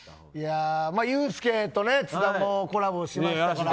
ユースケと津田もコラボしましたし。